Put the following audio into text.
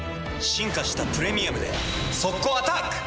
進化した「プレミアム」で速攻アタック！